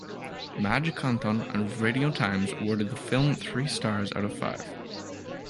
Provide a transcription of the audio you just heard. Maj Canton of "Radio Times" awarded the film three stars out of five.